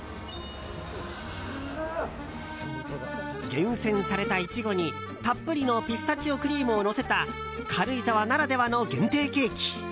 厳選されたイチゴにたっぷりのピスタチオクリームをのせた軽井沢ならではの限定ケーキ。